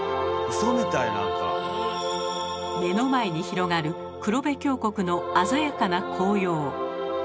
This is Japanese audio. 目の前に広がる黒部峡谷の鮮やかな紅葉。